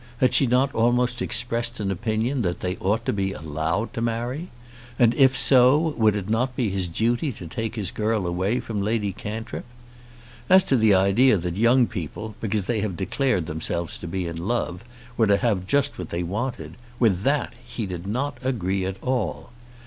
Had she not almost expressed an opinion that they ought to be allowed to marry? And if so, would it not be his duty to take his girl away from Lady Cantrip? As to the idea that young people, because they have declared themselves to be in love, were to have just what they wanted, with that he did not agree at all.